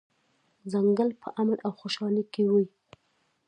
ځنګل په امن او خوشحالۍ کې و.